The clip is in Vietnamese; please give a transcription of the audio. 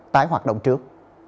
tái hoạt động trước